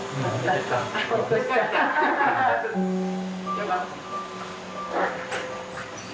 よかった。